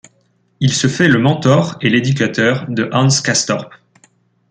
Il se fait le mentor et l'éducateur de Hans Castorp.